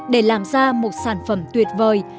để làm ra một sản phẩm tuyệt vời